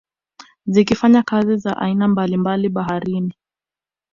Zikifanya kazi za aina mbalimbali baharini